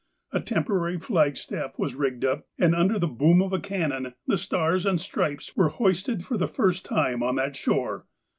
A temporary flagstaff was rigged up, and, under the boom of cannon, the stars and stripes were hoisted for the first time on that shore.